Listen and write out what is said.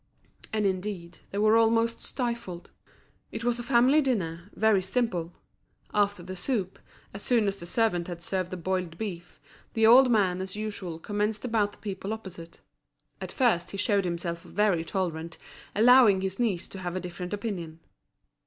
And indeed they were almost stifled. It was a family dinner, very simple. After the soup, as soon as the servant had served the boiled beef, the old man as usual commenced about the people opposite. At first he showed himself very tolerant, allowing his niece to have a different opinion.